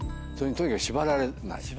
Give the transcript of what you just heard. とにかく縛られない。